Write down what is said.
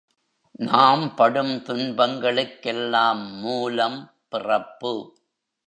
நாம் படும் துன்பங்களுக்கெல்லாம் மூலம் பிறப்பு.